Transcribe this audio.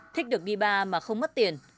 thích được ghi ba mà không mất tiền